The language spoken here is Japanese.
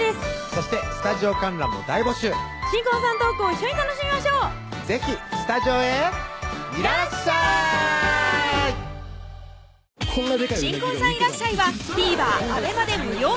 そしてスタジオ観覧も大募集新婚さんのトークを一緒に楽しみましょう是非スタジオへいらっしゃい新婚さんいらっしゃい！はＴＶｅｒ